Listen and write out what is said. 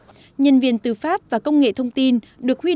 các nhân viên tư pháp và công dân đã thực hiện đăng ký trực tuyến